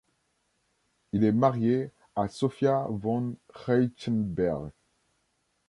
Il est marié à Sophia von Reichenberg.